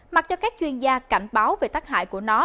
mặc cho các chuyên gia cảnh báo về tác hại của nó